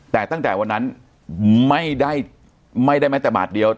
แต่ตั้งแต่วันนั้นไม่ได้ไม่ได้แม้แต่บาทเดียว